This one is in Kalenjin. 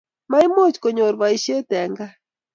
Maimuch konyor boishet eng kaa